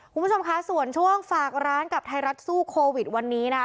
คุณผู้ชมคะส่วนช่วงฝากร้านกับไทยรัฐสู้โควิดวันนี้นะคะ